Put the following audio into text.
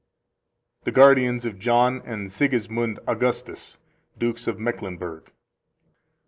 The guardians of John and Sigismund Augustus, Dukes of Mecklenburg.